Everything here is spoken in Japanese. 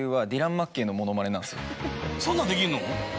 そんなんできんの？